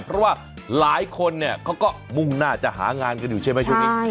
เพราะว่าหลายคนเนี่ยเขาก็มุ่งหน้าจะหางานกันอยู่ใช่ไหมช่วงนี้